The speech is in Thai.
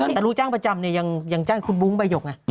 แต่รู้จ้างประจำนี่ยังจ้างคุณบุ้งบายก